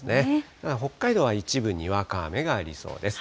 ただ北海道は一部にわか雨がありそうです。